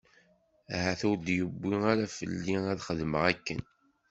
Ahat ur d-yewwi ara fell-i ad xedmeɣ akken.